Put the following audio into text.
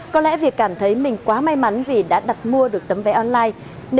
có lẽ việc cảm thấy mình quá may mắn vì đã đặt mua được tấm vé online